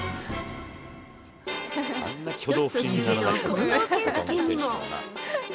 １つ年上の近藤健介にも。